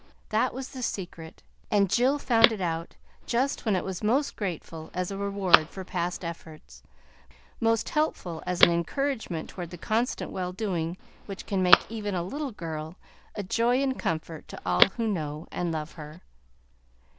That was the secret, and Jill found it out just when it was most grateful as a reward for past efforts, most helpful as an encouragement toward the constant well doing which can make even a little girl a joy and comfort to all who know and love her.